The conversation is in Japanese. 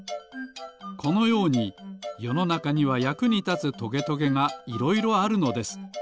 このようによのなかにはやくにたつトゲトゲがいろいろあるのです。